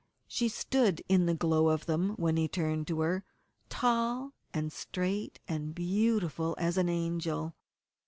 She stood in the glow of them when he turned to her, tall, and straight, and as beautiful as an angel.